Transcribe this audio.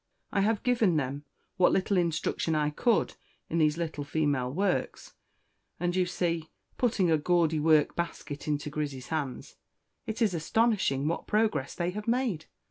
I have given them what little instruction I could in these little female works; and you see," putting a gaudy work basket into Grizzy's hands, "it is astonishing what progress they have made.